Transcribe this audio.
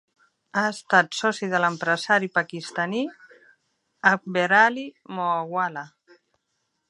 Ha estat soci de l'empresari pakistanès Akberali Moawalla.